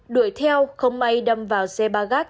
đuổi theo không may đâm vào xe bà gác